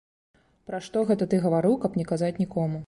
Пра што гэта ты гаварыў, каб не казаць нікому?